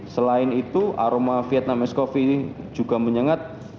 selain itu aroma vietnam ice coffee juga menyengat